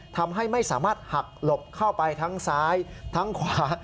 ทำให้ไม่สามารถหักหลบเข้าไปทั้งซ้ายทั้งขวา